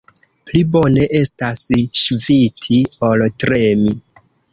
Pli bone estas ŝviti, ol tremi.